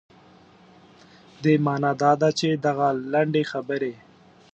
دې معنا دا ده چې دغه لنډې خبرې.